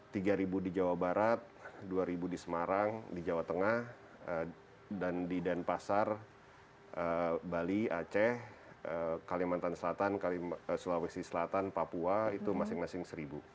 tiga ribu di jawa barat dua ribu di semarang di jawa tengah dan di denpasar bali aceh kalimantan selatan sulawesi selatan papua itu masing masing seribu